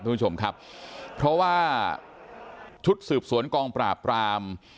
ทุกผู้ชมครับเพราะว่าชุดสืบสวนกองปราบราม